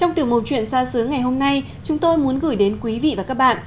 trong tiểu mục chuyện xa xứ ngày hôm nay chúng tôi muốn gửi đến quý vị và các bạn